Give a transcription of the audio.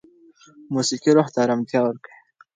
موسیقي روح ته ارامتیا ورکوي.